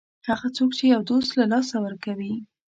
هغه څوک چې یو دوست له لاسه ورکوي.